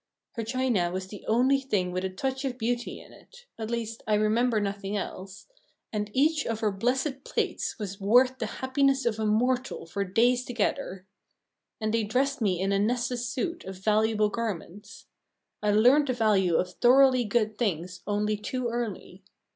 Her china was the only thing with a touch of beauty in it at least I remember nothing else and each of her blessed plates was worth the happiness of a mortal for days together. And they dressed me in a Nessus suit of valuable garments. I learned the value of thoroughly good things only too early.